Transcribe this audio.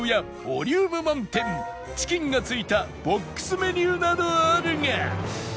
ボリューム満点チキンが付いたボックスメニューなどあるが